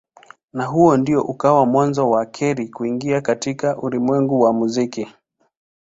Na huu ndio ukawa mwanzo wa Carey kuingia katika ulimwengu wa muziki.